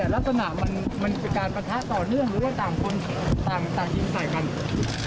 ลักษณะมันเป็นการปะทะต่อเนื่องหรือว่าต่างคนต่างยิงใส่กัน